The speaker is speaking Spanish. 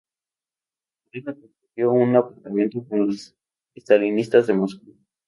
La pareja compartió un apartamento con los estalinistas de Moscú.